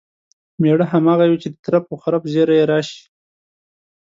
مېړه همغه وي چې د ترپ و خرپ زیري یې راشي.